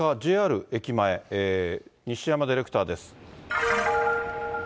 ＪＲ駅前、西山ディレクターです。